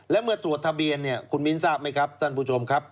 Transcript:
และเมื่อตรวจทะเบียนเนี่ยคุณมิ้นทราบไหมครับท่านผู้ชมครับ